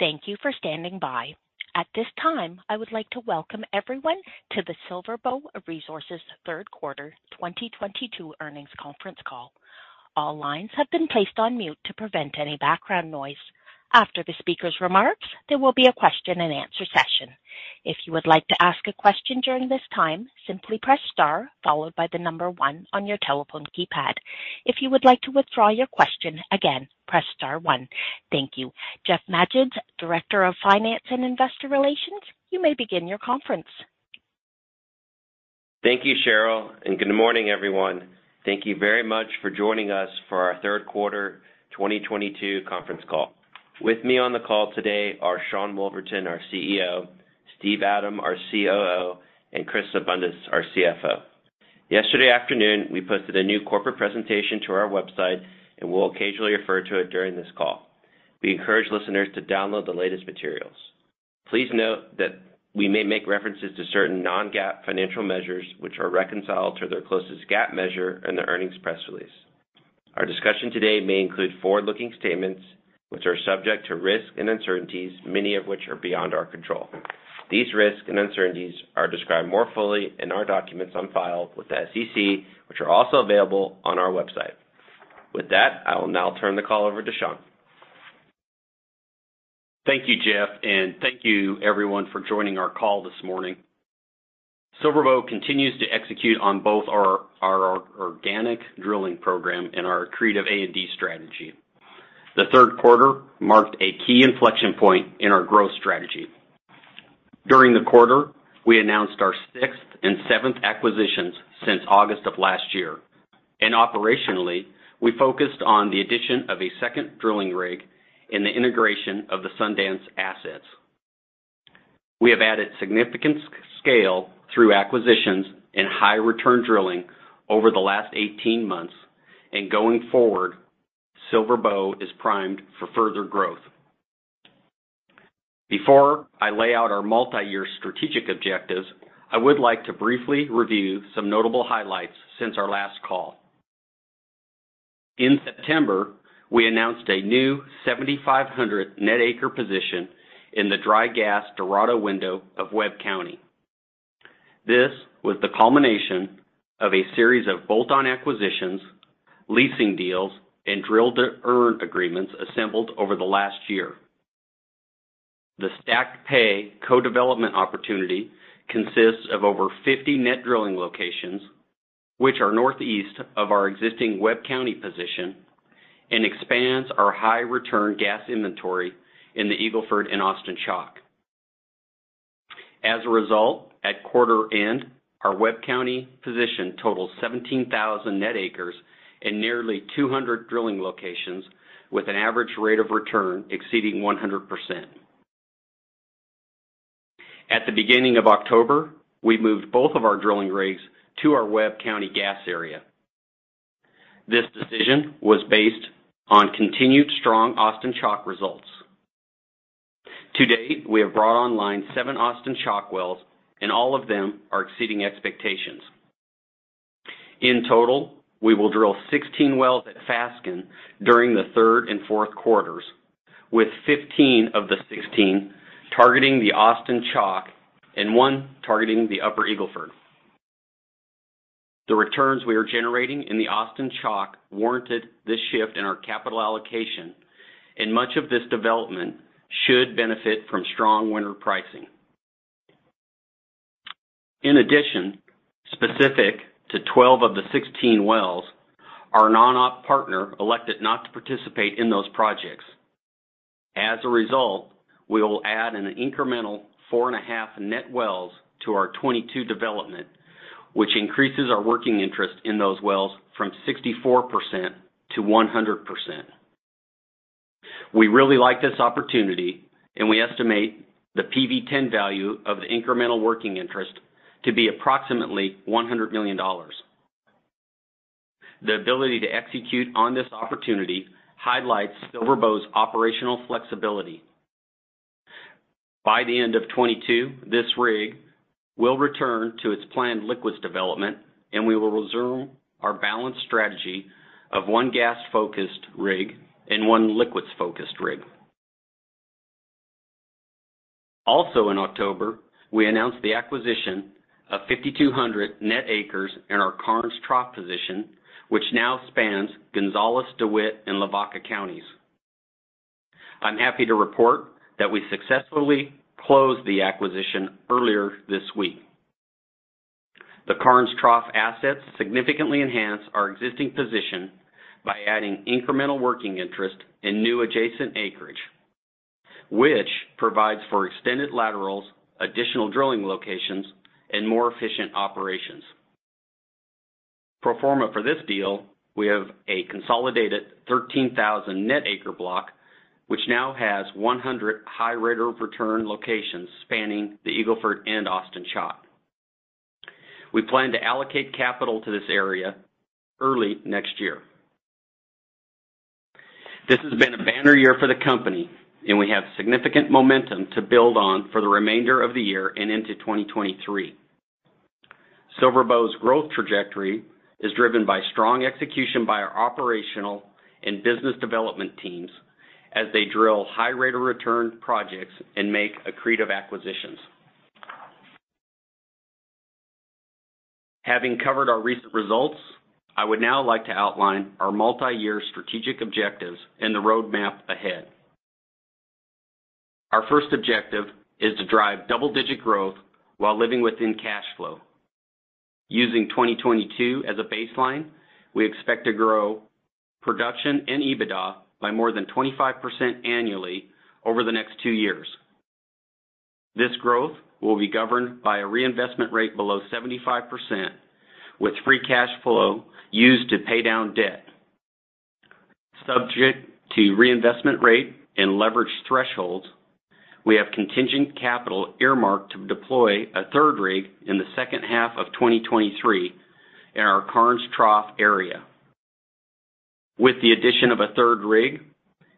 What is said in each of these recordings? Thank you for standing by. At this time, I would like to welcome everyone to the SilverBow Resources third quarter 2022 earnings conference call. All lines have been placed on mute to prevent any background noise. After the speaker's remarks, there will be a question-and-answer session. If you would like to ask a question during this time, simply press star followed by the number one on your telephone keypad. If you would like to withdraw your question, again, press star one. Thank you. Jeff Magids, Director of Finance and Investor Relations, you may begin your conference. Thank you, Cheryl, and good morning, everyone. Thank you very much for joining us for our third quarter 2022 conference call. With me on the call today are Sean Woolverton, our CEO, Steven Adam, our COO, and Chris Abundis, our CFO. Yesterday afternoon, we posted a new corporate presentation to our website, and we'll occasionally refer to it during this call. We encourage listeners to download the latest materials. Please note that we may make references to certain non-GAAP financial measures which are reconciled to their closest GAAP measure in the earnings press release. Our discussion today may include forward-looking statements which are subject to risks and uncertainties, many of which are beyond our control. These risks and uncertainties are described more fully in our documents on file with the SEC, which are also available on our website. With that, I will now turn the call over to Sean. Thank you, Jeff, and thank you everyone for joining our call this morning. SilverBow continues to execute on both our organic drilling program and our accretive A&D strategy. The third quarter marked a key inflection point in our growth strategy. During the quarter, we announced our sixth and seventh acquisitions since August of last year. Operationally, we focused on the addition of a second drilling rig and the integration of the Sundance assets. We have added significant scale through acquisitions and high return drilling over the last 18 months, and going forward, SilverBow is primed for further growth. Before I lay out our multi-year strategic objectives, I would like to briefly review some notable highlights since our last call. In September, we announced a new 7,500 net acre position in the dry gas Dorado window of Webb County. This was the culmination of a series of bolt-on acquisitions, leasing deals, and drill to earn agreements assembled over the last year. The stacked pay co-development opportunity consists of over 50 net drilling locations, which are northeast of our existing Webb County position and expands our high return gas inventory in the Eagle Ford and Austin Chalk. As a result, at quarter end, our Webb County position totals 17,000 net acres and nearly 200 drilling locations with an average rate of return exceeding 100%. At the beginning of October, we moved both of our drilling rigs to our Webb County gas area. This decision was based on continued strong Austin Chalk results. To date, we have brought online seven Austin Chalk wells, and all of them are exceeding expectations. In total, we will drill 16 wells at Fasken during the third and fourth quarters, with 15 of the 16 targeting the Austin Chalk and one targeting the Upper Eagle Ford. The returns we are generating in the Austin Chalk warranted this shift in our capital allocation, and much of this development should benefit from strong winter pricing. In addition, specific to 12 of the 16 wells, our non-op partner elected not to participate in those projects. As a result, we will add an incremental 4.5 net wells to our 22 development, which increases our working interest in those wells from 64%-100%. We really like this opportunity, and we estimate the PV-10 value of the incremental working interest to be approximately $100 million. The ability to execute on this opportunity highlights SilverBow's operational flexibility. By the end of 2022, this rig will return to its planned liquids development, and we will resume our balanced strategy of one gas-focused rig and one liquids-focused rig. Also in October, we announced the acquisition of 5,200 net acres in our Karnes Trough position, which now spans Gonzales, DeWitt, and Lavaca Counties. I'm happy to report that we successfully closed the acquisition earlier this week. The Karnes Trough assets significantly enhance our existing position by adding incremental working interest in new adjacent acreage, which provides for extended laterals, additional drilling locations, and more efficient operations. Pro forma for this deal, we have a consolidated 13,000 net acre block, which now has 100 high rate of return locations spanning the Eagle Ford and Austin Chalk. We plan to allocate capital to this area early next year. This has been a banner year for the company, and we have significant momentum to build on for the remainder of the year and into 2023. SilverBow's growth trajectory is driven by strong execution by our operational and business development teams as they drill high rate of return projects and make accretive acquisitions. Having covered our recent results, I would now like to outline our multi-year strategic objectives and the roadmap ahead. Our first objective is to drive double-digit growth while living within cash flow. Using 2022 as a baseline, we expect to grow production and EBITDA by more than 25% annually over the next two years. This growth will be governed by a reinvestment rate below 75%, with free cash flow used to pay down debt. Subject to reinvestment rate and leverage thresholds, we have contingent capital earmarked to deploy a third rig in the second half of 2023 in our Karnes Trough area. With the addition of a third rig,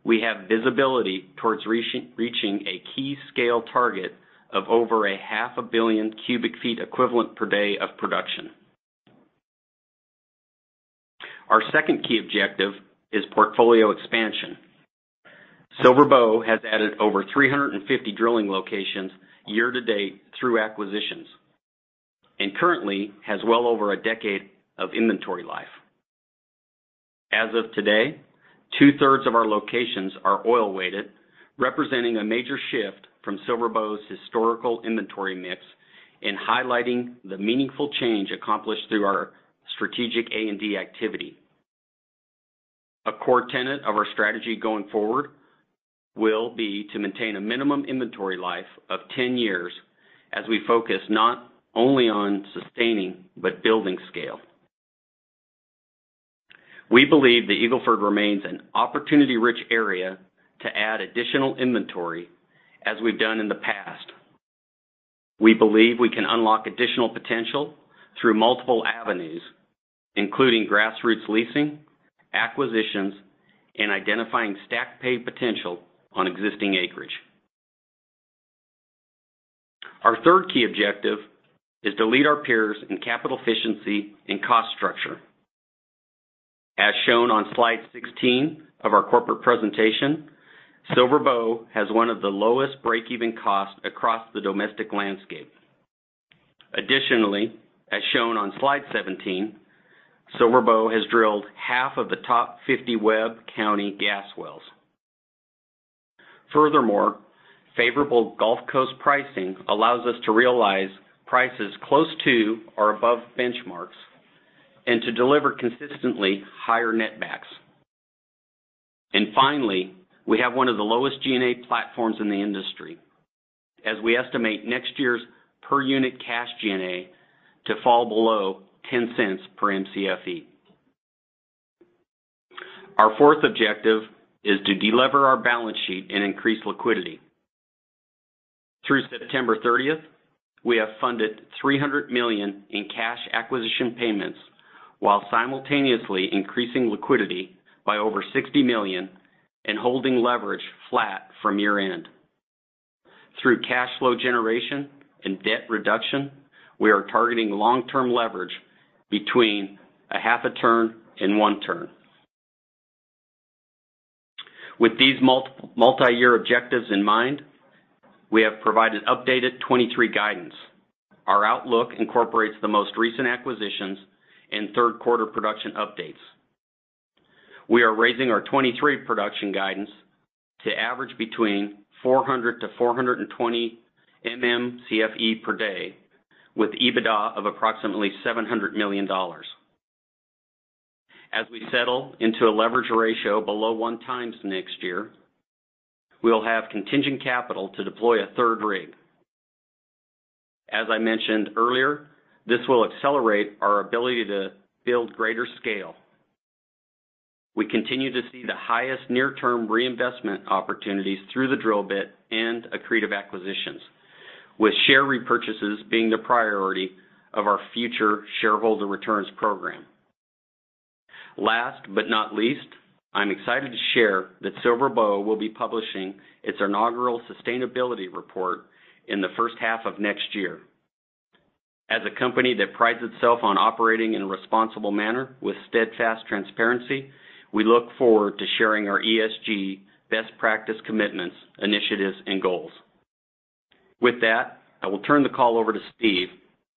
we have visibility towards reaching a key scale target of over half a billion cubic feet equivalent per day of production. Our second key objective is portfolio expansion. SilverBow has added over 350 drilling locations year to date through acquisitions, and currently has well over a decade of inventory life. As of today, two-thirds of our locations are oil-weighted, representing a major shift from SilverBow's historical inventory mix, and highlighting the meaningful change accomplished through our strategic A&D activity. A core tenet of our strategy going forward will be to maintain a minimum inventory life of 10 years as we focus not only on sustaining, but building scale. We believe the Eagle Ford remains an opportunity-rich area to add additional inventory as we've done in the past. We believe we can unlock additional potential through multiple avenues, including grassroots leasing, acquisitions, and identifying stack pay potential on existing acreage. Our third key objective is to lead our peers in capital efficiency and cost structure. As shown on slide 16 of our corporate presentation, SilverBow has one of the lowest breakeven costs across the domestic landscape. Additionally, as shown on slide 17, SilverBow has drilled half of the top 50 Webb County gas wells. Furthermore, favorable Gulf Coast pricing allows us to realize prices close to or above benchmarks and to deliver consistently higher net backs. Finally, we have one of the lowest G&A platforms in the industry, as we estimate next year's per unit cash G&A to fall below $0.10 per Mcfe. Our fourth objective is to delever our balance sheet and increase liquidity. Through September thirtieth, we have funded $300 million in cash acquisition payments, while simultaneously increasing liquidity by over $60 million and holding leverage flat from year-end. Through cash flow generation and debt reduction, we are targeting long-term leverage between half a turn and one turn. With these multi-year objectives in mind, we have provided updated 2023 guidance. Our outlook incorporates the most recent acquisitions and third quarter production updates. We are raising our 2023 production guidance to average between 400-420 MMcfe per day with EBITDA of approximately $700 million. As we settle into a leverage ratio below 1x next year, we'll have contingent capital to deploy a third rig. As I mentioned earlier, this will accelerate our ability to build greater scale. We continue to see the highest near-term reinvestment opportunities through the drill bit and accretive acquisitions, with share repurchases being the priority of our future shareholder returns program. Last but not least, I'm excited to share that SilverBow will be publishing its inaugural sustainability report in the first half of next year. As a company that prides itself on operating in a responsible manner with steadfast transparency, we look forward to sharing our ESG best practice commitments, initiatives, and goals. With that, I will turn the call over to Steve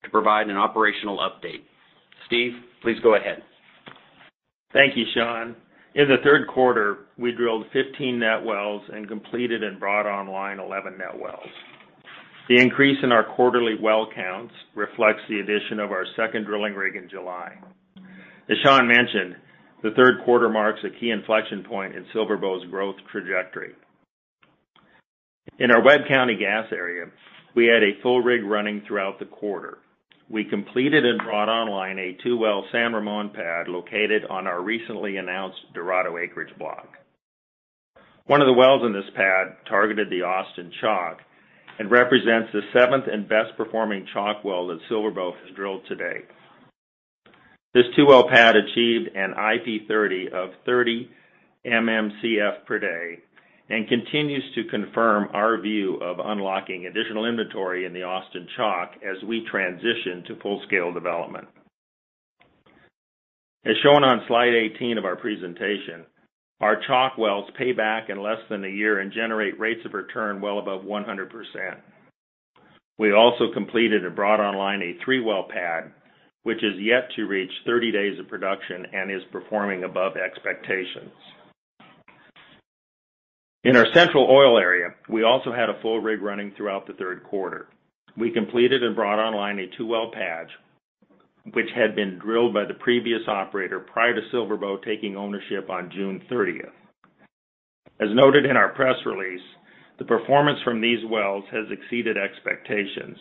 to provide an operational update. Steve, please go ahead. Thank you, Sean. In the third quarter, we drilled 15 net wells and completed and brought online 11 net wells. The increase in our quarterly well counts reflects the addition of our second drilling rig in July. As Sean mentioned, the third quarter marks a key inflection point in SilverBow's growth trajectory. In our Webb County gas area, we had a full rig running throughout the quarter. We completed and brought online a two-well San Ramon pad located on our recently announced Dorado acreage block. One of the wells in this pad targeted the Austin Chalk and represents the seventh and best performing Chalk well that SilverBow has drilled to date. This two-well pad achieved an IP30 of 30 MMcf per day and continues to confirm our view of unlocking additional inventory in the Austin Chalk as we transition to full-scale development. As shown on slide 18 of our presentation, our Chalk wells pay back in less than a year and generate rates of return well above 100%. We also completed and brought online a three-well pad, which is yet to reach 30 days of production and is performing above expectations. In our Central Oil Area, we also had a full rig running throughout the third quarter. We completed and brought online a two-well pad, which had been drilled by the previous operator prior to SilverBow taking ownership on June 30. As noted in our press release, the performance from these wells has exceeded expectations,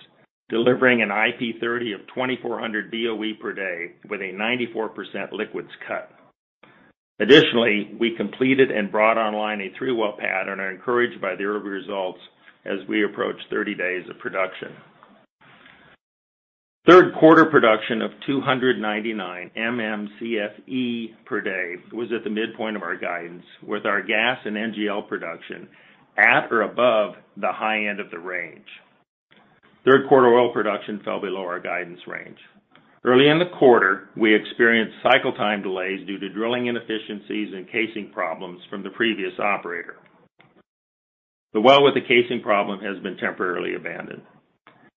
delivering an IP30 of 2,400 BOE per day with a 94% liquids cut. Additionally, we completed and brought online a three-well pad and are encouraged by the early results as we approach 30 days of production. Third quarter production of 299 MMcfe per day was at the midpoint of our guidance, with our gas and NGL production at or above the high end of the range. Third quarter oil production fell below our guidance range. Early in the quarter, we experienced cycle time delays due to drilling inefficiencies and casing problems from the previous operator. The well with the casing problem has been temporarily abandoned.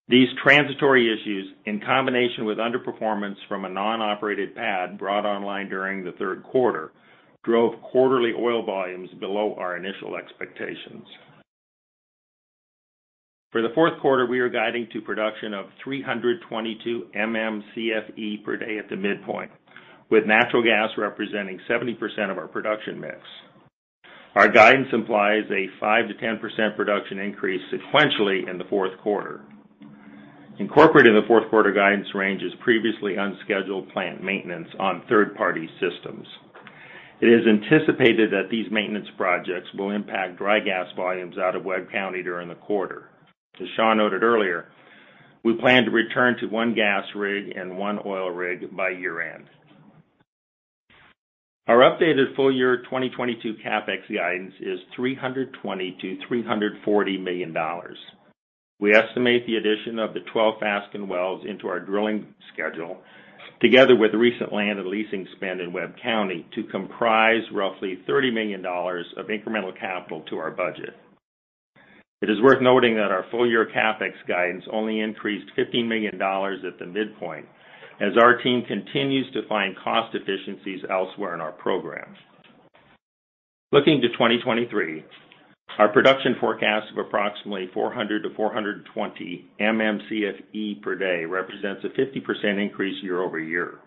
These transitory issues, in combination with underperformance from a non-operated pad brought online during the third quarter, drove quarterly oil volumes below our initial expectations. For the fourth quarter, we are guiding to production of 322 MMcfe per day at the midpoint, with natural gas representing 70% of our production mix. Our guidance implies a 5%-10% production increase sequentially in the fourth quarter. Incorporated in the fourth quarter guidance range is previously unscheduled plant maintenance on third-party systems. It is anticipated that these maintenance projects will impact dry gas volumes out of Webb County during the quarter. As Sean noted earlier, we plan to return to one gas rig and one oil rig by year-end. Our updated full-year 2022 CapEx guidance is $320 million-$340 million. We estimate the addition of the 12 Fasken wells into our drilling schedule, together with recent land and leasing spend in Webb County to comprise roughly $30 million of incremental capital to our budget. It is worth noting that our full-year CapEx guidance only increased $15 million at the midpoint as our team continues to find cost efficiencies elsewhere in our program. Looking to 2023, our production forecast of approximately 400-420 MMcfe per day represents a 50% increase year-over-year.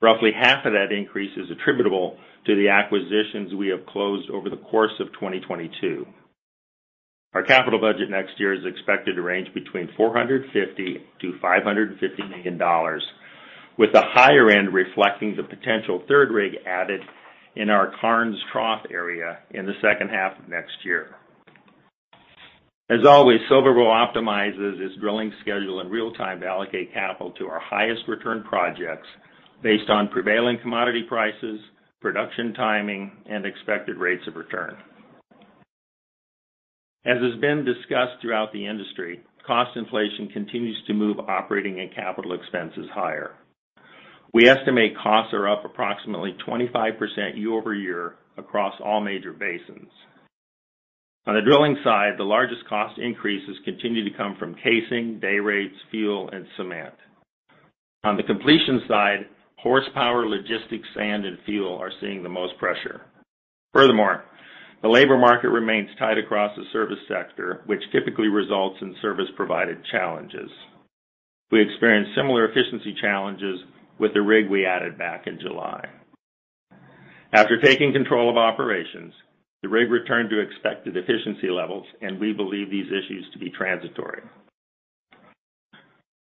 Roughly half of that increase is attributable to the acquisitions we have closed over the course of 2022. Our capital budget next year is expected to range between $450 million-$550 million, with the higher end reflecting the potential third rig added in our Karnes Trough area in the second half of next year. As always, SilverBow optimizes its drilling schedule in real time to allocate capital to our highest return projects based on prevailing commodity prices, production timing, and expected rates of return. As has been discussed throughout the industry, cost inflation continues to move operating and capital expenses higher. We estimate costs are up approximately 25% year-over-year across all major basins. On the drilling side, the largest cost increases continue to come from casing, day rates, fuel, and cement. On the completion side, horsepower, logistics, sand, and fuel are seeing the most pressure. Furthermore, the labor market remains tight across the service sector, which typically results in service provider challenges. We experienced similar efficiency challenges with the rig we added back in July. After taking control of operations, the rig returned to expected efficiency levels, and we believe these issues to be transitory.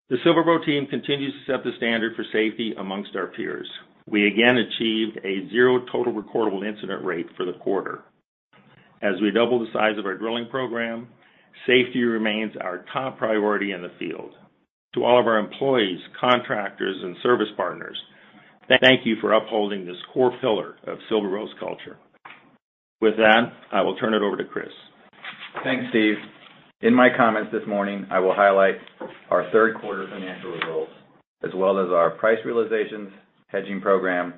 The SilverBow team continues to set the standard for safety among our peers. We again achieved a zero total recordable incident rate for the quarter. As we double the size of our drilling program, safety remains our top priority in the field. To all of our employees, contractors, and service partners, thank you for upholding this core pillar of SilverBow's culture. With that, I will turn it over to Chris. Thanks, Steve. In my comments this morning, I will highlight our third quarter financial results, as well as our price realizations, hedging program,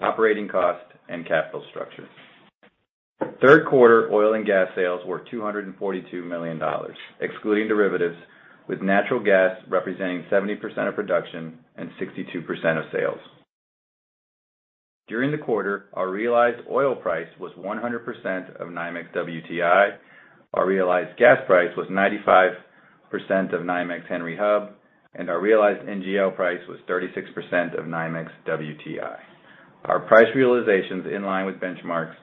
operating cost, and capital structure. Third quarter oil and gas sales were $242 million, excluding derivatives, with natural gas representing 70% of production and 62% of sales. During the quarter, our realized oil price was 100% of NYMEX WTI, our realized gas price was 95% of NYMEX Henry Hub, and our realized NGL price was 36% of NYMEX WTI. Our price realizations in line with benchmarks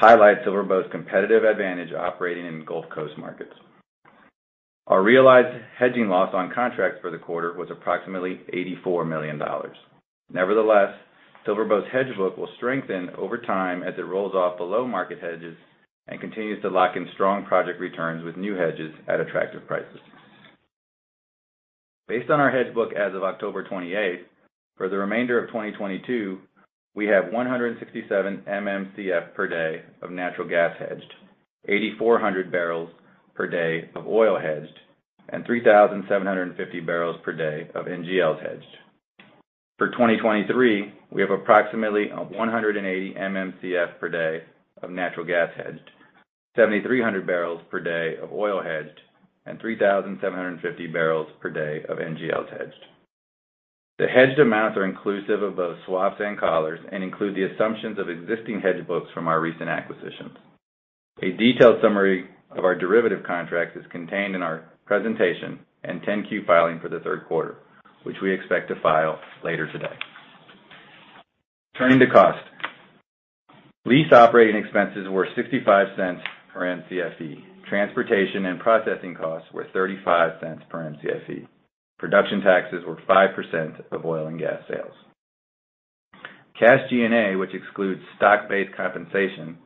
highlight SilverBow's competitive advantage operating in Gulf Coast markets. Our realized hedging loss on contracts for the quarter was approximately $84 million. Nevertheless, SilverBow's hedge book will strengthen over time as it rolls off below-market hedges and continues to lock in strong project returns with new hedges at attractive prices. Based on our hedge book as of October 28th, for the remainder of 2022, we have 167 MMcf per day of natural gas hedged, 8,400 barrels per day of oil hedged, and 3,750 barrels per day of NGLs hedged. For 2023, we have approximately 180 MMcf per day of natural gas hedged, 7,300 barrels per day of oil hedged, and 3,750 barrels per day of NGLs hedged. The hedged amounts are inclusive of both swaps and collars and include the assumptions of existing hedge books from our recent acquisitions. A detailed summary of our derivative contracts is contained in our presentation and 10-Q filing for the third quarter, which we expect to file later today. Turning to cost. Lease operating expenses were $0.65 per Mcfe. Transportation and processing costs were $0.35 per Mcfe. Production taxes were 5% of oil and gas sales. Cash G&A, which excludes stock-based compensation,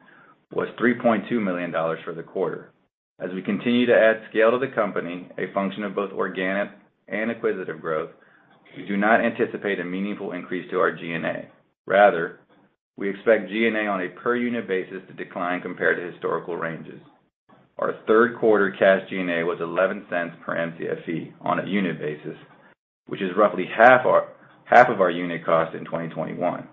was $3.2 million for the quarter. As we continue to add scale to the company, a function of both organic and acquisitive growth, we do not anticipate a meaningful increase to our G&A. Rather, we expect G&A on a per unit basis to decline compared to historical ranges. Our third quarter cash G&A was $0.11 per Mcfe on a unit basis, which is roughly half of our unit cost in 2021.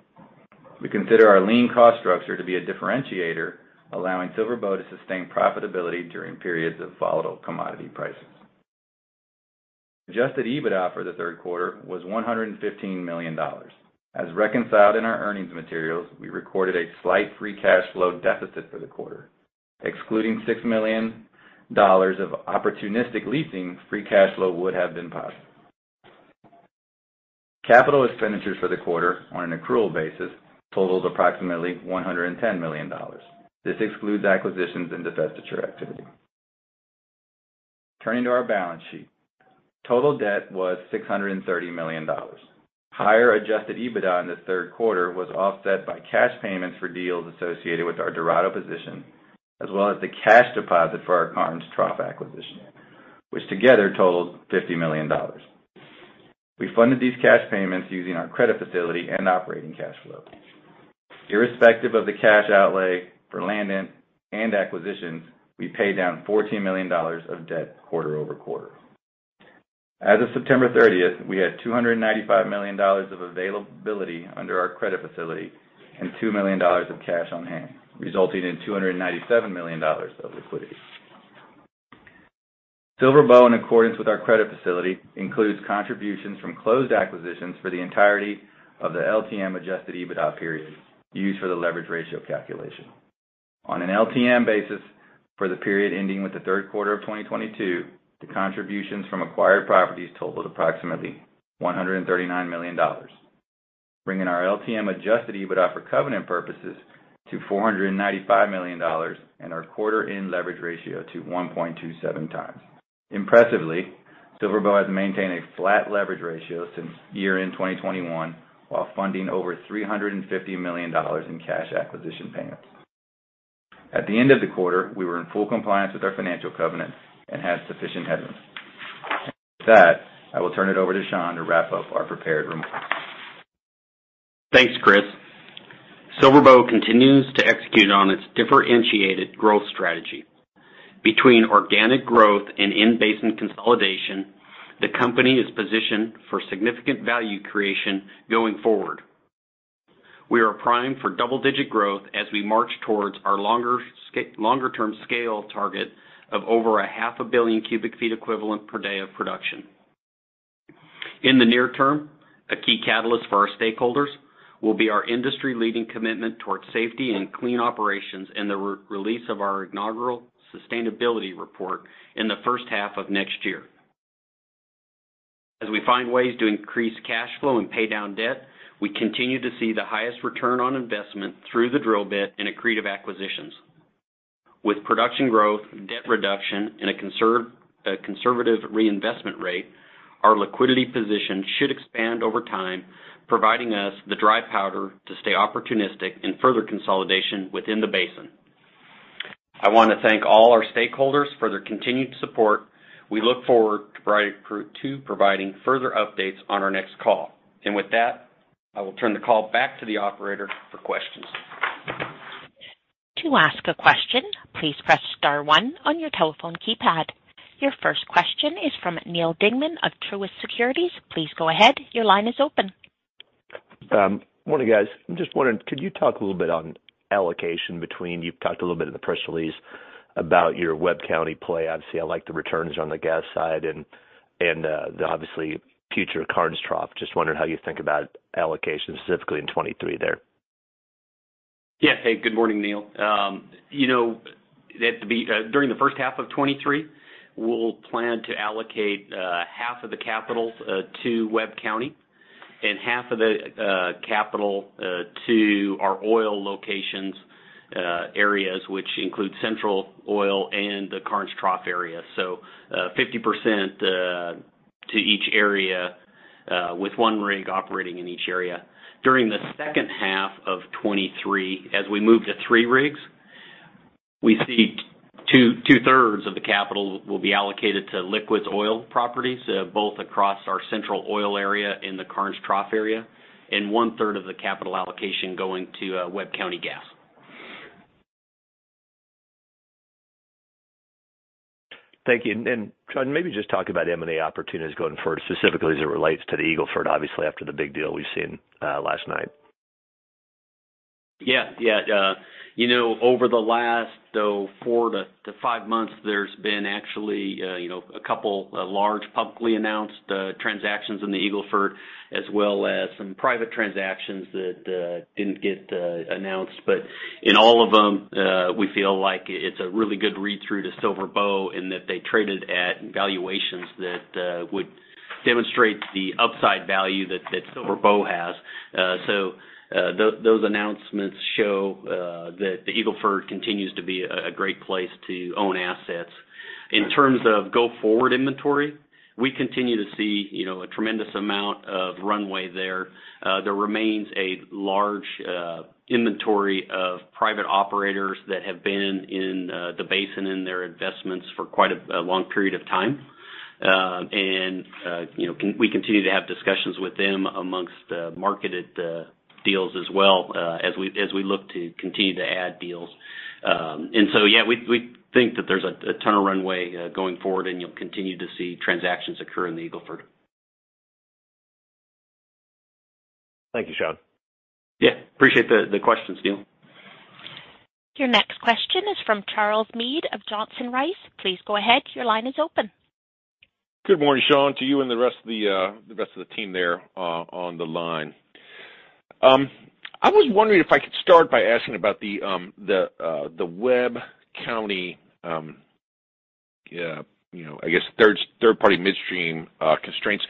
We consider our lean cost structure to be a differentiator, allowing SilverBow to sustain profitability during periods of volatile commodity prices. Adjusted EBITDA for the third quarter was $115 million. As reconciled in our earnings materials, we recorded a slight free cash flow deficit for the quarter. Excluding $6 million of opportunistic leasing, free cash flow would have been positive. Capital expenditures for the quarter on an accrual basis totals approximately $110 million. This excludes acquisitions and divestiture activity. Turning to our balance sheet. Total debt was $630 million. Higher adjusted EBITDA in the third quarter was offset by cash payments for deals associated with our Dorado position, as well as the cash deposit for our Karnes Trough acquisition, which together totaled $50 million. We funded these cash payments using our credit facility and operating cash flow. Irrespective of the cash outlay for land and acquisitions, we paid down $14 million of debt quarter-over-quarter. As of September thirtieth, we had $295 million of availability under our credit facility and $2 million of cash on hand, resulting in $297 million of liquidity. SilverBow, in accordance with our credit facility, includes contributions from closed acquisitions for the entirety of the LTM adjusted EBITDA period used for the leverage ratio calculation. On an LTM basis, for the period ending with the third quarter of 2022, the contributions from acquired properties totaled approximately $139 million, bringing our LTM adjusted EBITDA for covenant purposes to $495 million and our quarter-end leverage ratio to 1.27 times. Impressively, SilverBow has maintained a flat leverage ratio since year-end 2021, while funding over $350 million in cash acquisition payments. At the end of the quarter, we were in full compliance with our financial covenant and had sufficient headroom. With that, I will turn it over to Sean to wrap up our prepared remarks. Thanks, Chris. SilverBow continues to execute on its differentiated growth strategy. Between organic growth and in-basin consolidation, the company is positioned for significant value creation going forward. We are primed for double-digit growth as we march towards our longer-term scale target of over 500 billion cubic feet equivalent per day of production. In the near term, a key catalyst for our stakeholders will be our industry-leading commitment towards safety and clean operations and the re-release of our inaugural sustainability report in the first half of next year. As we find ways to increase cash flow and pay down debt, we continue to see the highest return on investment through the drill bit in accretive acquisitions. With production growth, debt reduction, and a conservative reinvestment rate, our liquidity position should expand over time, providing us the dry powder to stay opportunistic in further consolidation within the basin. I wanna thank all our stakeholders for their continued support. We look forward to providing further updates on our next call. With that, I will turn the call back to the operator for questions. To ask a question, please press star one on your telephone keypad. Your first question is from Neal Dingmann of Truist Securities. Please go ahead. Your line is open. Morning, guys. I'm just wondering, could you talk a little bit on allocation between. You've talked a little bit in the press release about your Webb County play. Obviously, I like the returns on the gas side and the obvious future Karnes Trough. Just wondering how you think about allocation specifically in 2023 there. Yeah. Hey, good morning, Neal Dingmann. You know, it had to be during the first half of 2023. We'll plan to allocate half of the capital to Webb County and half of the capital to our oil areas which include Central Oil and the Karnes Trough area. 50% to each area with one rig operating in each area. During the second half of 2023, as we move to two rigs, we see 2/3 of the capital will be allocated to liquids-rich oil properties both across our Central Oil area and the Karnes Trough area, and 1/3 of the capital allocation going to Webb County gas. Thank you. Sean, maybe just talk about M&A opportunities going forward, specifically as it relates to the Eagle Ford, obviously, after the big deal we've seen last night. Yeah. Yeah. You know, over the last, oh, four to five months, there's been actually, you know, a couple large publicly announced transactions in the Eagle Ford, as well as some private transactions that didn't get announced. In all of them, we feel like it's a really good read-through to SilverBow in that they traded at valuations that would demonstrate the upside value that SilverBow has. Those announcements show that the Eagle Ford continues to be a great place to own assets. In terms of go forward inventory, we continue to see, you know, a tremendous amount of runway there. There remains a large inventory of private operators that have been in the basin in their investments for quite a long period of time. You know, we continue to have discussions with them among marketed deals as well, as we look to continue to add deals. Yeah, we think that there's a ton of runway going forward, and you'll continue to see transactions occur in the Eagle Ford. Thank you, Sean. Yeah. Appreciate the question, Neal. Your next question is from Charles Meade of Johnson Rice. Please go ahead. Your line is open. Good morning, Sean, to you and the rest of the team there on the line. I was wondering if I could start by asking about the Webb County third-party midstream constraints.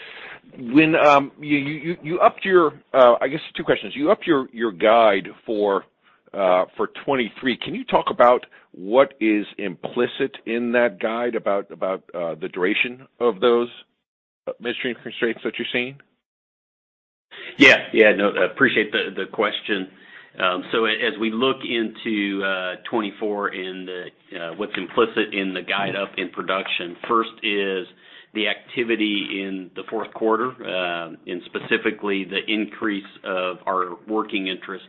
When you upped your guide for 2023. Can you talk about what is implicit in that guide about the duration of those midstream constraints that you're seeing? Yeah. Yeah. No, I appreciate the question. As we look into 2024 and what's implicit in the guide up in production, first is the activity in the fourth quarter and specifically the increase of our working interest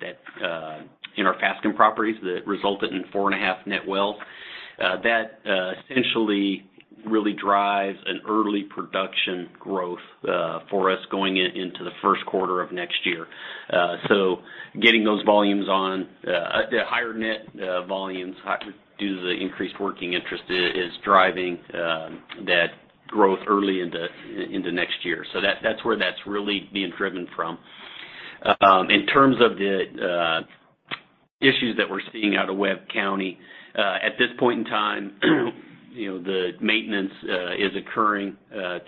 in our Fasken properties that resulted in 4.5 net wells. That essentially really drives an early production growth for us going into the first quarter of next year. Getting those volumes on higher net volumes due to the increased working interest is driving that growth early into next year. That's where that's really being driven from. In terms of the issues that we're seeing out of Webb County, at this point in time, you know, the maintenance is occurring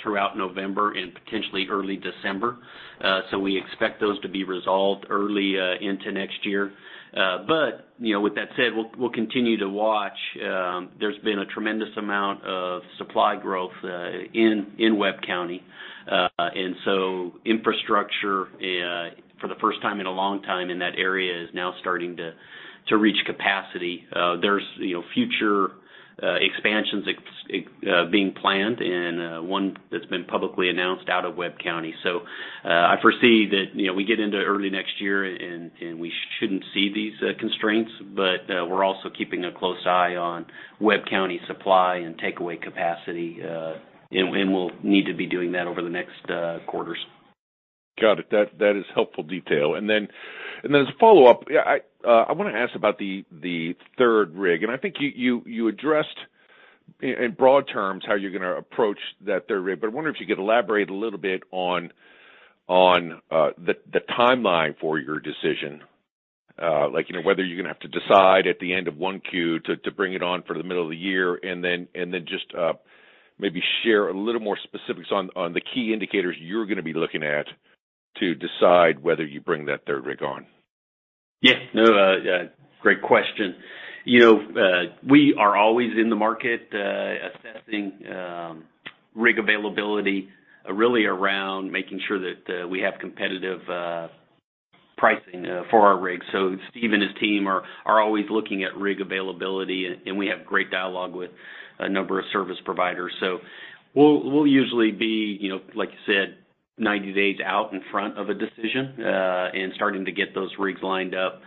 throughout November and potentially early December. So we expect those to be resolved early into next year. But, you know, with that said, we'll continue to watch. There's been a tremendous amount of supply growth in Webb County. Infrastructure, for the first time in a long time in that area is now starting to reach capacity. There's, you know, future expansions being planned and one that's been publicly announced out of Webb County. I foresee that, you know, we get into early next year and we shouldn't see these constraints, but we're also keeping a close eye on Webb County supply and takeaway capacity, and we'll need to be doing that over the next quarters. Got it. That is helpful detail. As a follow-up, I wanna ask about the third rig. I think you addressed in broad terms how you're gonna approach that third rig, but I wonder if you could elaborate a little bit on the timeline for your decision. Like, you know, whether you're gonna have to decide at the end of 1Q to bring it on for the middle of the year, and then just maybe share a little more specifics on the key indicators you're gonna be looking at to decide whether you bring that third rig on. Yeah. No, great question. You know, we are always in the market, assessing, rig availability, really around making sure that, we have competitive, pricing, for our rigs. So Steve and his team are always looking at rig availability, and we have great dialogue with a number of service providers. So we'll usually be, you know, like you said, 90 days out in front of a decision, and starting to get those rigs lined up.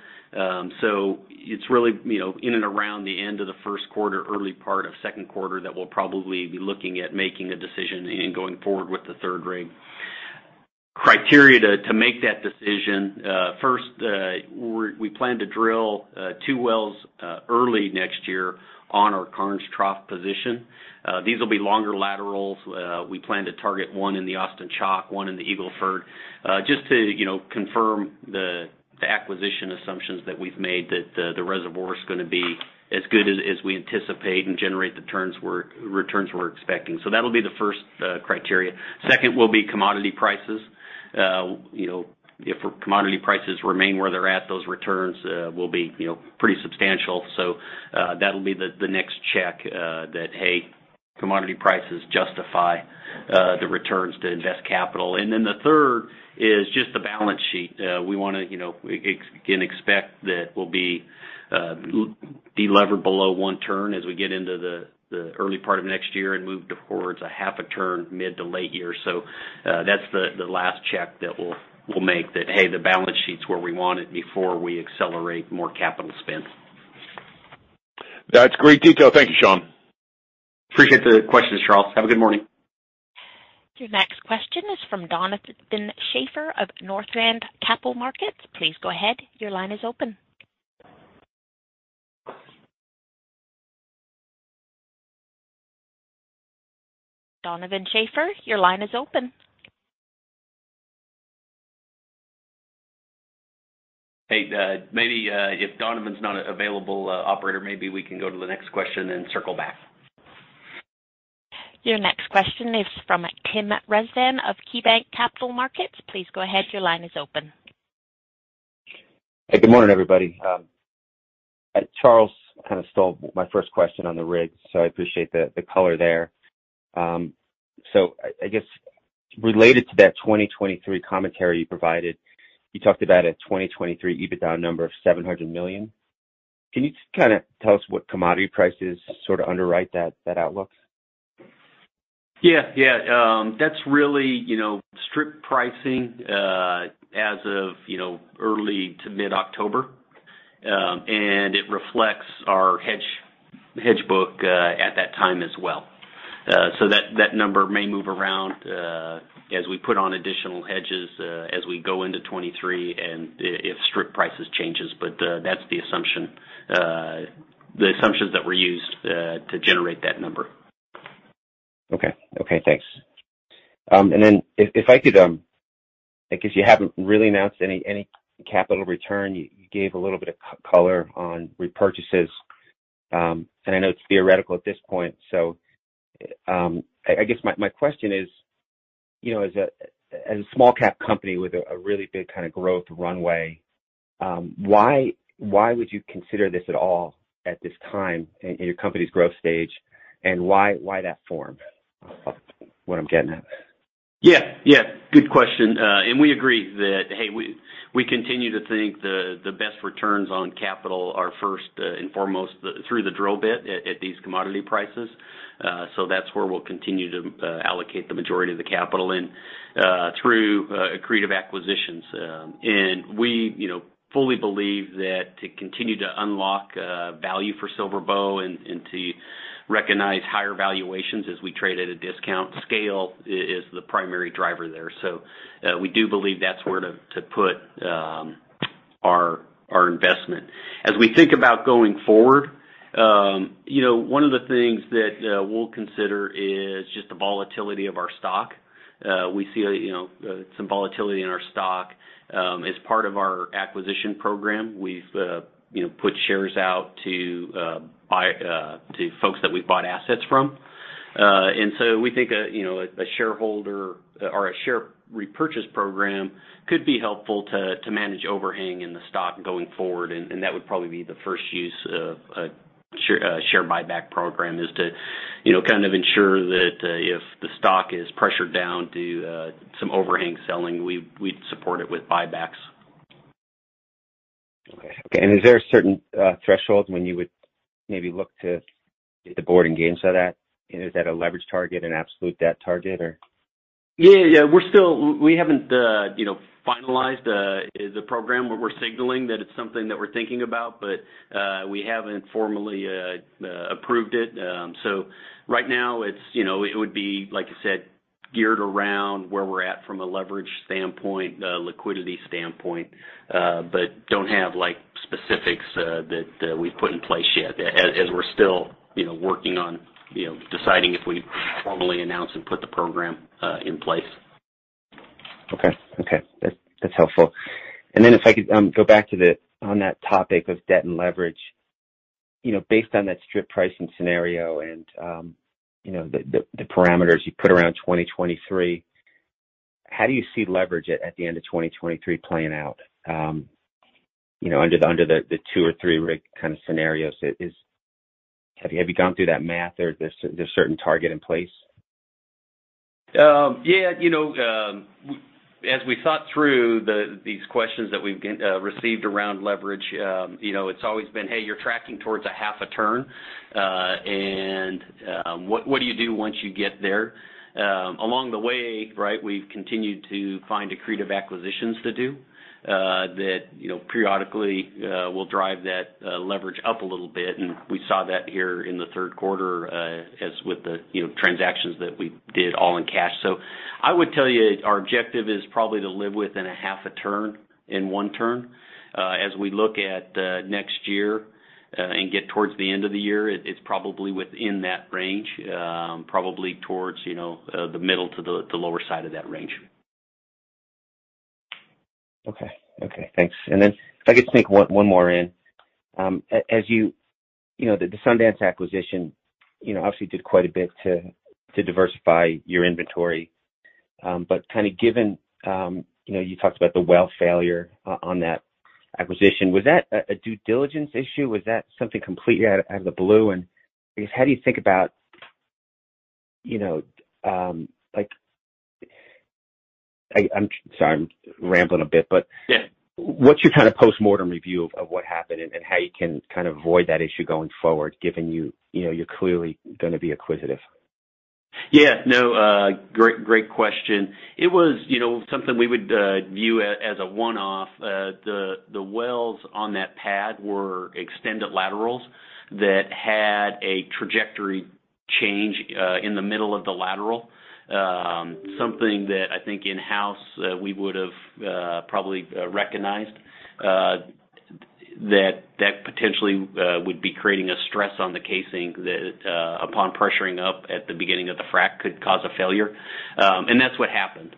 So it's really, you know, in and around the end of the first quarter, early part of second quarter that we'll probably be looking at making a decision and going forward with the third rig. Criteria to make that decision, first, we're we plan to drill, two wells, early next year on our Karnes Trough position. These will be longer laterals. We plan to target one in the Austin Chalk, one in the Eagle Ford, just to, you know, confirm the acquisition assumptions that we've made that the reservoir's gonna be as good as we anticipate and generate the returns we're expecting. That'll be the first criteria. Second will be commodity prices. You know, if commodity prices remain where they're at, those returns will be, you know, pretty substantial. That'll be the next check that, hey, commodity prices justify the returns to invest capital. The third is just the balance sheet. We wanna, you know, again, expect that we'll be delevered below one turn as we get into the early part of next year and move towards a half a turn mid to late year. That's the last check that we'll make that, hey, the balance sheet's where we want it before we accelerate more capital spend. That's great detail. Thank you, Sean. Appreciate the question, Charles. Have a good morning. Your next question is from Donovan Schafer of Northland Capital Markets. Please go ahead. Your line is open. Donovan Schafer, your line is open. Hey, maybe if Donovan's not available, operator, maybe we can go to the next question, then circle back. Your next question is from Tim Rezvan of KeyBanc Capital Markets. Please go ahead, your line is open. Hey, good morning, everybody. Charles kind of stole my first question on the rigs, so I appreciate the color there. I guess related to that 2023 commentary you provided, you talked about a 2023 EBITDA number of $700 million. Can you just kind of tell us what commodity prices sort of underwrite that outlook? Yeah. Yeah. That's really, you know, strip pricing as of, you know, early to mid-October. It reflects our hedge book at that time as well. That number may move around as we put on additional hedges as we go into 2023 and if strip prices changes. That's the assumption, the assumptions that were used to generate that number. Okay. Okay, thanks. If I could, because you haven't really announced any capital return, you gave a little bit of color on repurchases. I know it's theoretical at this point, so I guess my question is, you know, as a small-cap company with a really big kind of growth runway, why would you consider this at all at this time in your company's growth stage, and why that form? Is what I'm getting at. Yeah. Yeah. Good question. We agree that, hey, we continue to think the best returns on capital are first and foremost through the drill bit at these commodity prices. That's where we'll continue to allocate the majority of the capital and through accretive acquisitions. We fully believe that to continue to unlock value for SilverBow and to recognize higher valuations as we trade at a discount scale is the primary driver there. We do believe that's where to put our investment. As we think about going forward, you know, one of the things that we'll consider is just the volatility of our stock. We see, you know, some volatility in our stock. As part of our acquisition program, we've, you know, put shares out to folks that we've bought assets from. We think, you know, a share repurchase program could be helpful to manage overhang in the stock going forward. That would probably be the first use of a share buyback program is to, you know, kind of ensure that if the stock is pressured down due to some overhang selling, we'd support it with buybacks. Okay. Is there a certain threshold when you would maybe look to get the board engaged to that? Is that a leverage target, an absolute debt target, or? Yeah. We haven't, you know, finalized the program, but we're signaling that it's something that we're thinking about, but we haven't formally approved it. Right now it's, you know, it would be, like you said, geared around where we're at from a leverage standpoint, liquidity standpoint, but don't have like specifics that we've put in place yet as we're still, you know, working on, you know, deciding if we formally announce and put the program in place. Okay. That’s helpful. If I could go back to that topic of debt and leverage. You know, based on that strip pricing scenario and, you know, the parameters you put around 2023, how do you see leverage at the end of 2023 playing out, you know, under the two or three rig kind of scenarios? Have you gone through that math? Is there a certain target in place? Yeah. You know, as we thought through these questions that we've been receiving around leverage, you know, it's always been, hey, you're tracking towards a half a turn. What do you do once you get there? Along the way, right, we've continued to find accretive acquisitions to do, that, you know, periodically will drive that leverage up a little bit, and we saw that here in the third quarter, as with the transactions that we did all in cash. I would tell you our objective is probably to live within a half a turn and one turn. As we look at next year and get towards the end of the year, it's probably within that range, probably towards, you know, the middle to the lower side of that range. Okay. Okay, thanks. Then if I could sneak one more in. As you know, the Sundance acquisition, you know, obviously did quite a bit to diversify your inventory. But kinda given, you know, you talked about the well failure on that acquisition. Was that a due diligence issue? Was that something completely out of the blue? How do you think about, you know, like. Sorry, I'm rambling a bit, but. Yeah. What's your kind of postmortem review of what happened and how you can kind of avoid that issue going forward, given you know, you're clearly gonna be acquisitive? Yeah. No, great question. It was, you know, something we would view as a one-off. The wells on that pad were extended laterals that had a trajectory change in the middle of the lateral. Something that I think in-house we would've probably recognized. That potentially would be creating a stress on the casing that upon pressuring up at the beginning of the frack could cause a failure. That's what happened.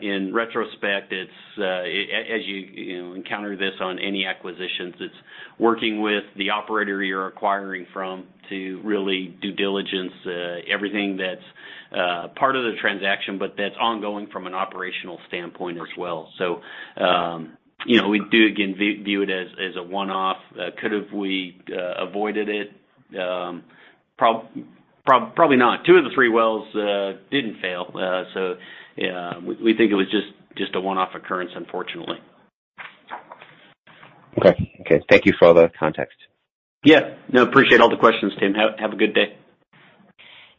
In retrospect, it's as you know encounter this on any acquisitions, it's working with the operator you're acquiring from to really due diligence everything that's part of the transaction, but that's ongoing from an operational standpoint as well. You know, we do again view it as a one-off. Could have we avoided it? Probably not. Two of the three wells didn't fail. We think it was just a one-off occurrence, unfortunately. Okay. Thank you for all the context. Yeah. No, appreciate all the questions, Tim. Have a good day.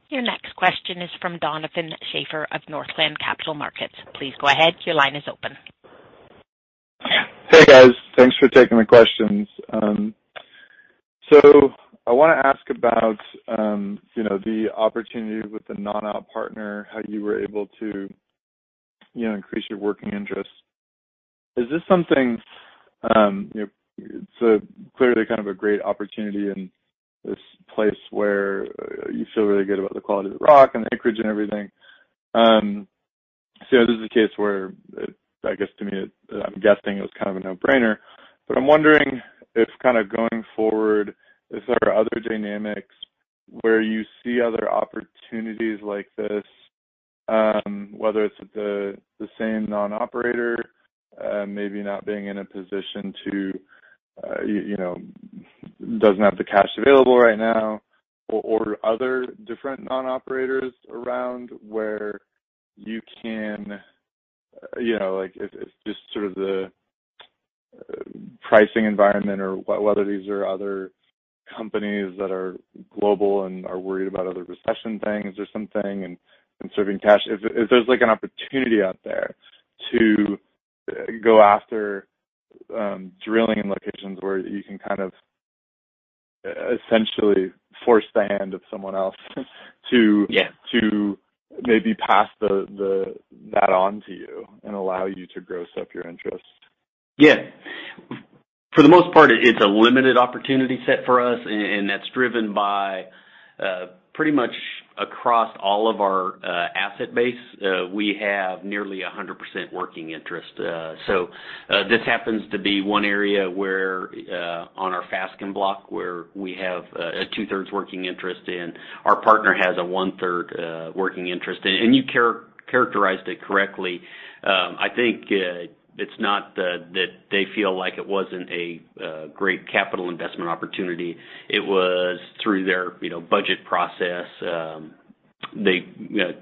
Your next question is from Donovan Schafer of Northland Capital Markets. Please go ahead. Your line is open. Yeah. Hey, guys. Thanks for taking the questions. So I wanna ask about, you know, the opportunity with the non-op partner, how you were able to, you know, increase your working interest. Is this something, you know, so clearly kind of a great opportunity in this place where you feel really good about the quality of the rock and the acreage and everything. So this is a case where, I guess to me, I'm guessing it was kind of a no-brainer. I'm wondering if kinda going forward, is there other dynamics where you see other opportunities like this, whether it's with the same non-operator, maybe not being in a position to, you know, doesn't have the cash available right now or other different non-operators around where you can, you know, like, if it's just sort of the pricing environment or whether these are other companies that are global and are worried about other recession things or something and conserving cash. If there's like an opportunity out there to go after, drilling in locations where you can kind of essentially force the hand of someone else to- Yeah. to maybe pass that on to you and allow you to gross up your interest. Yeah. For the most part, it's a limited opportunity set for us, and that's driven by pretty much across all of our asset base. We have nearly 100% working interest. This happens to be one area where, on our Fasken block, where we have a two-thirds working interest in. Our partner has a one-third working interest. You characterized it correctly. I think it's not that they feel like it wasn't a great capital investment opportunity. It was through their, you know, budget process. They,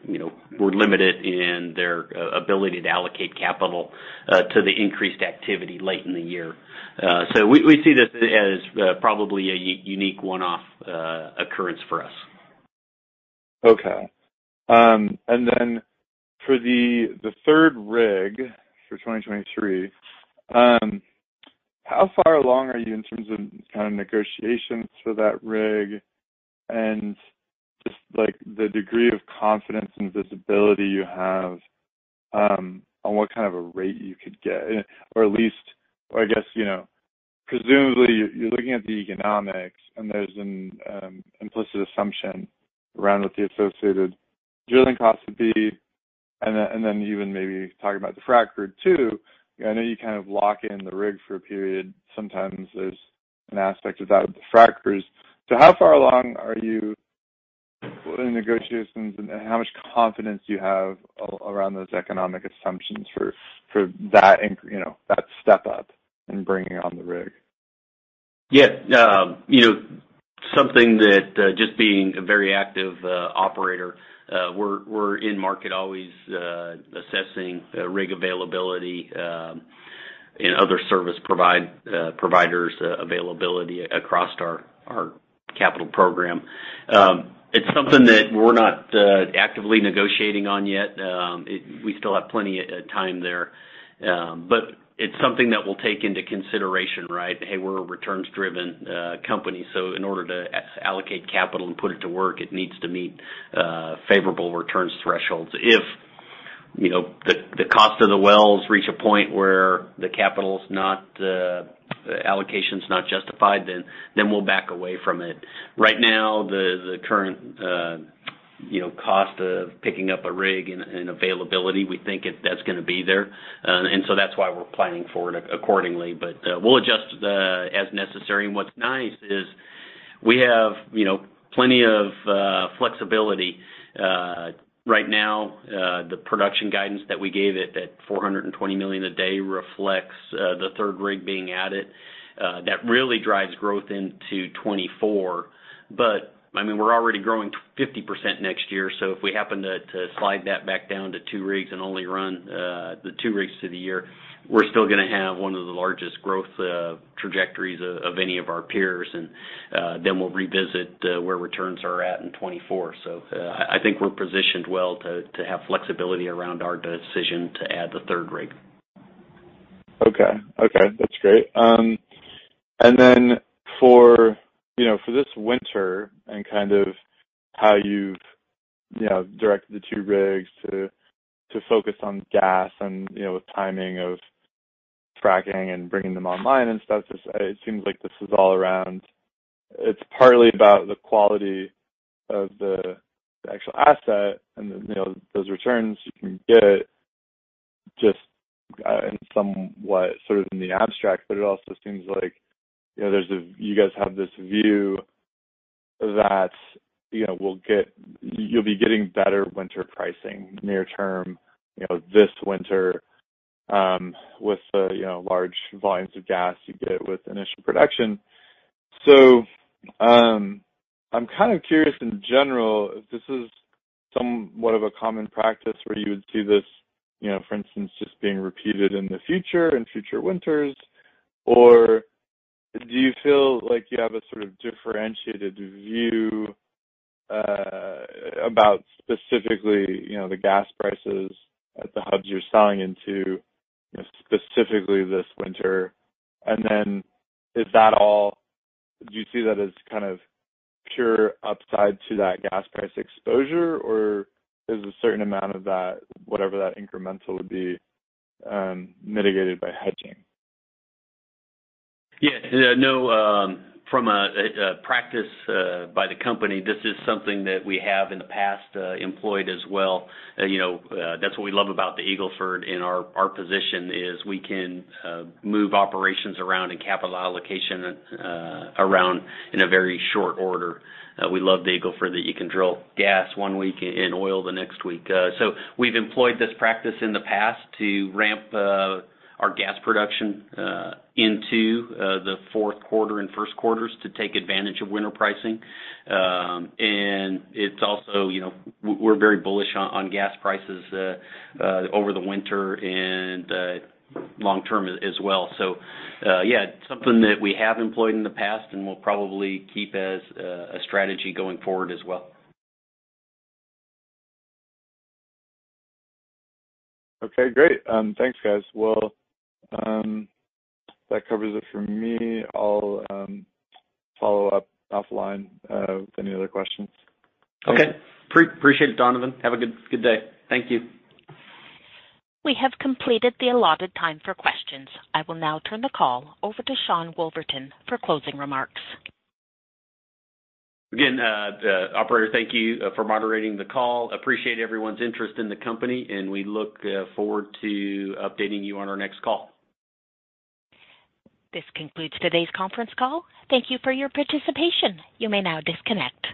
you know, were limited in their ability to allocate capital to the increased activity late in the year. We see this as probably a unique one-off occurrence for us. Okay. For the third rig for 2023, how far along are you in terms of kinda negotiations for that rig? Just like the degree of confidence and visibility you have on what kind of a rate you could get, or at least, or I guess, you know. Presumably, you're looking at the economics, and there's an implicit assumption around what the associated drilling costs would be, and then even maybe talk about the fracker too. I know you kind of lock in the rig for a period. Sometimes there's an aspect of that with the frackers. How far along are you in negotiations and how much confidence do you have around those economic assumptions for you know, that step up in bringing on the rig? Yeah. You know, something that just being a very active operator, we're in market always assessing rig availability and other service providers availability across our capital program. It's something that we're not actively negotiating on yet. We still have plenty time there. It's something that we'll take into consideration, right? Hey, we're a returns-driven company, in order to allocate capital and put it to work, it needs to meet favorable returns thresholds. If you know the cost of the wells reach a point where the capital allocation's not justified, then we'll back away from it. Right now, the current. You know, cost of picking up a rig and availability, we think that's gonna be there. That's why we're planning for it accordingly. We'll adjust as necessary. What's nice is we have, you know, plenty of flexibility. Right now, the production guidance that we gave it, that 420 million a day reflects the third rig being added. That really drives growth into 2024. I mean, we're already growing 50% next year, so if we happen to slide that back down to two rigs and only run the two rigs through the year, we're still gonna have one of the largest growth trajectories of any of our peers. We'll revisit where returns are at in 2024. I think we're positioned well to have flexibility around our decision to add the third rig. Okay. Okay, that's great. You know, for this winter and kind of how you've, you know, directed the two rigs to focus on gas and, you know, with timing of fracking and bringing them online and stuff, just it seems like this is all around. It's partly about the quality of the actual asset and the, you know, those returns you can get just in somewhat sort of in the abstract, but it also seems like, you know, you guys have this view that, you know, you'll be getting better winter pricing near term, you know, this winter with the, you know, large volumes of gas you get with initial production. I'm kind of curious in general if this is somewhat of a common practice where you would see this, you know, for instance, just being repeated in the future, in future winters. Or do you feel like you have a sort of differentiated view, about specifically, you know, the gas prices at the hubs you're selling into, you know, specifically this winter? Is that all. Do you see that as kind of pure upside to that gas price exposure, or is a certain amount of that, whatever that incremental would be, mitigated by hedging? Yeah. No, from a practice by the company, this is something that we have in the past employed as well. You know, that's what we love about the Eagle Ford and our position, is we can move operations around and capital allocation around in a very short order. We love the Eagle Ford, that you can drill gas one week and oil the next week. We've employed this practice in the past to ramp our gas production into the fourth quarter and first quarters to take advantage of winter pricing. It's also, you know, we're very bullish on gas prices over the winter and long term as well. Yeah, it's something that we have employed in the past and we'll probably keep as a strategy going forward as well. Okay, great. Thanks, guys. Well, that covers it for me. I'll follow up offline with any other questions. Okay. Appreciate it, Donovan. Have a good day. Thank you. We have completed the allotted time for questions. I will now turn the call over to Sean Woolverton for closing remarks. Again, operator, thank you for moderating the call. Appreciate everyone's interest in the company, and we look forward to updating you on our next call. This concludes today's conference call. Thank you for your participation. You may now disconnect.